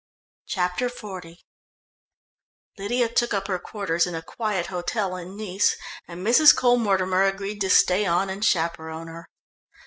Chapter XL Lydia took up her quarters in a quiet hotel in Nice and Mrs. Cole Mortimer agreed to stay on and chaperon her.